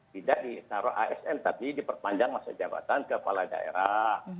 tidak ditaruh asn tapi diperpanjang masa jabatan kepala daerah